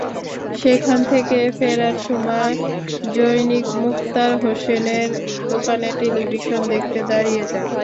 সেখান থেকে ফেরার পথে জনৈক মুক্তার হোসেনের দোকানে টেলিভিশন দেখতে দাঁড়িয়ে যান।